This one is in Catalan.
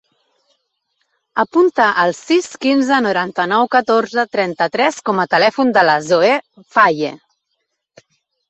Apunta el sis, quinze, noranta-nou, catorze, trenta-tres com a telèfon de la Zoè Faye.